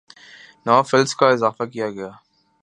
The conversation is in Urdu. نو فلس کا اضافہ کیا گیا ہے